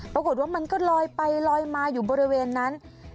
ปรากฏว่ามันก็ลอยไปลอยมาอยู่บริเวณนั้น